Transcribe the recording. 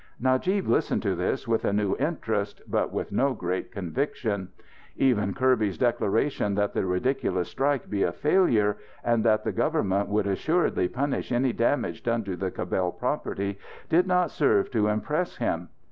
Najib listened to this with a new interest, but with no great conviction. Even Kirby's declaration that the ridiculous strike be a failure, and that the government would assuredly punish any damage done to the Cabell property, did not serve to impress him.